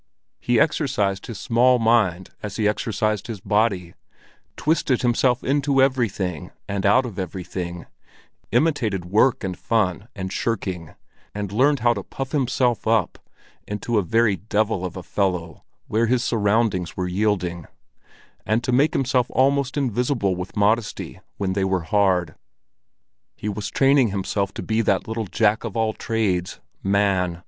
He exercised his small mind as he exercised his body, twisted himself into everything and out of everything, imitated work and fun and shirking, and learned how to puff himself up into a very devil of a fellow where his surroundings were yielding, and to make himself almost invisible with modesty when they were hard. He was training himself to be that little Jack of all trades, man.